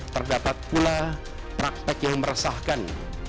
terdapat pula praktek yang meresahkan